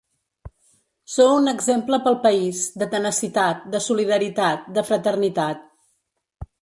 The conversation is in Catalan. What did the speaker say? Sou un exemple pel país, de tenacitat, de solidaritat, de fraternitat.